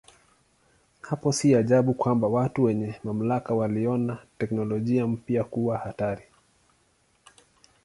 Hapo si ajabu kwamba watu wenye mamlaka waliona teknolojia mpya kuwa hatari.